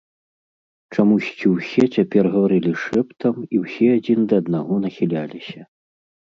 Чамусьці ўсе цяпер гаварылі шэптам і ўсе адзін да аднаго нахіляліся.